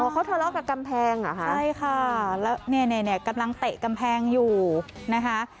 อ๋อเขาทะเลาะกับกำแพงอ่ะค่ะใช่ค่ะแล้วเนี้ยเนี้ยเนี้ยกำลังเตะกำแพงอยู่นะคะ